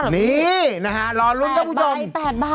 นี่นะฮะรอรุ้นครับผู้ชม